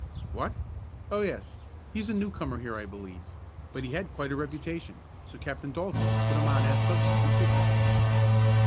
"What? Oh, yes; he's a newcomer here I believe, but he had quite a reputation, so Captain Dalton put him on as substitute pitcher."